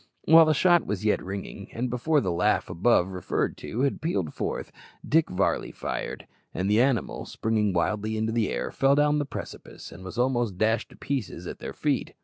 While the shot was yet ringing, and before the laugh above referred to had pealed forth, Dick Varley fired, and the animal, springing wildly into the air, fell down the precipice, and was almost dashed to pieces at their feet.